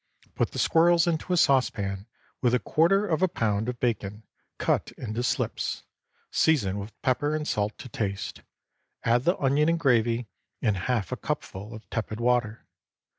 Put the squirrels into a saucepan, with a quarter of a pound of bacon cut into slips; season with pepper and salt to taste, add the onion and gravy, and half a cupful of tepid water.